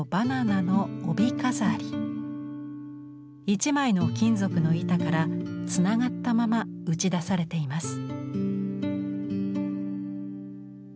一枚の金属の板からつながったまま打ち出されています。